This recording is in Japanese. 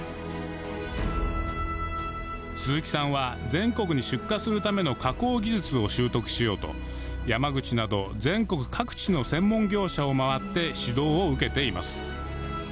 鈴木さんは全国に出荷するための加工技術を習得しようと山口など全国各地の専門業者を回って指導を受けています。